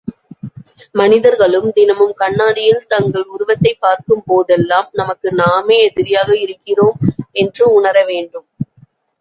மனிதர்களும் தினமும் கண்ணாடியில் தங்கள் உருவத்தைப் பார்க்கும் போதெல்லாம், நமக்கு நாமே எதிரியாக இருக்கிறோம் என்று உணர வேண்டும்.